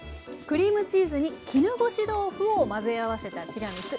クリームチーズに絹ごし豆腐を混ぜ合わせたティラミス。